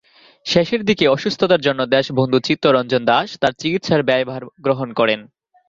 শেষের দিকে অসুস্থতার জন্য দেশবন্ধু চিত্তরঞ্জন দাশ তার চিকিৎসার ব্যয়ভার গ্রহণ করেন।